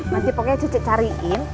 nanti pokoknya cicek cariin